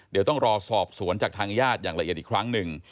เดี๋ยวต้องรอสอบสวนจากทางญาติอย่างละเอียดอีกครั้งหนึ่ง